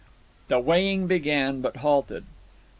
The weighing began, but halted.